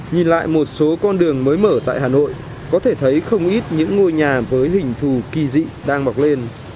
nhìn lại một số con đường mới mở tại hà nội có thể thấy không ít những ngôi nhà với hình thù kỳ dị đang mọc lên